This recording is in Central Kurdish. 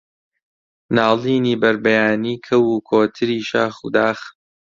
ناڵینی بەربەیانی کەو و کۆتری شاخ و داخ